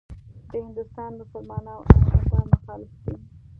د هندوستان مسلمانان او هندوان مخالف دي.